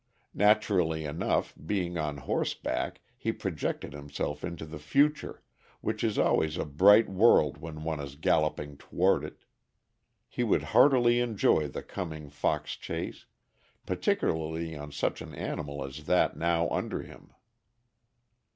Naturally enough, being on horseback, he projected himself into the future, which is always a bright world when one is galloping toward it. He would heartily enjoy the coming fox chase particularly on such an animal as that now under him.